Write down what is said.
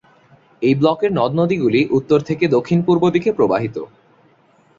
এই ব্লকের নদ-নদীগুলি উত্তর থেকে দক্ষিণ-পূর্ব দিকে প্রবাহিত।